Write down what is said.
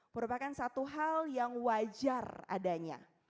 merupakan satu hal yang wajar adanya